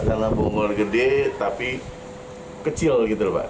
karena bonggol gede tapi kecil gitu pak